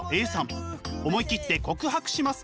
思い切って告白します。